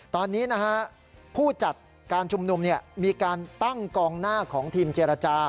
ตอนนี้นะฮะผู้จัดการชุมนุมมีการตั้งกองหน้าของทีมเจรจา